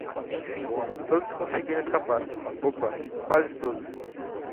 Enfim, todos conseguiram escapar! Opa! Quase todos!